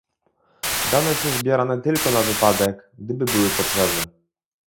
dane są zbierane tylko na wypadek, gdyby były potrzebne